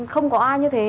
không có ai như thế